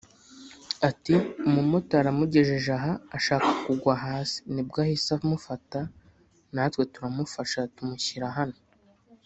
Ati “Umumotari amugejeje aha ashaka kugwa hasi ni bwo ahise amufata natwe turamumufasha tumushyira hano